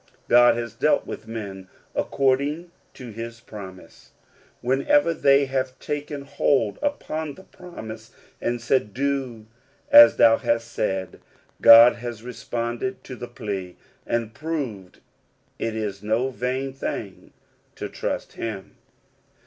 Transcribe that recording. God has dealt with men according to his promise. Whenever they have taken hold upon the promise, and said, "Do as thou hast said," God has responded to the plea, and proved that it is no vain thing to trust him.